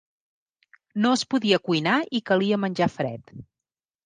No es podia cuinar i calia menjar fred.